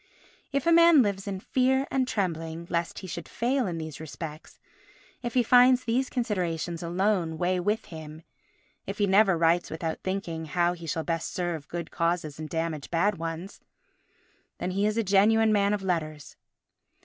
If a man lives in fear and trembling lest he should fail in these respects, if he finds these considerations alone weigh with him, if he never writes without thinking how he shall best serve good causes and damage bad ones, then he is a genuine man of letters.